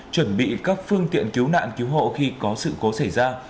chuẩn bị các phương tiện cứu nạn cứu hộ khi có sự cố xảy ra